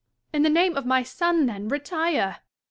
In the name of my son, then, retire